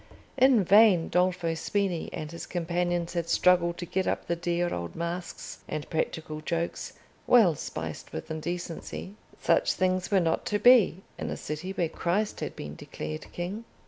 In vain Dolfo Spini and his companions had struggled to get up the dear old masques and practical jokes, well spiced with indecency. Such things were not to be in a city where Christ had been declared king.